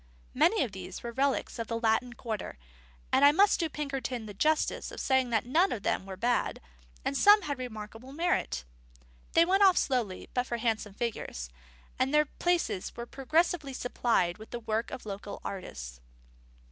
Many of these were relics of the Latin Quarter, and I must do Pinkerton the justice to say that none of them were bad, and some had remarkable merit. They went off slowly but for handsome figures; and their places were progressively supplied with the work of local artists.